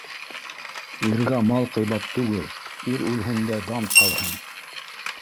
Иргә мал ҡыйбат түгел, ир үлһен дә дан ҡалһын.